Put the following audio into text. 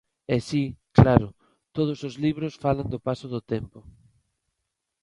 E si, claro, todos os libros falan do paso do tempo.